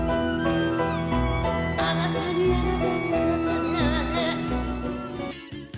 「あなたにあなたにあなたにあげる」